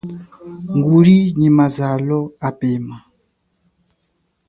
Nguli nyi mazalo apema.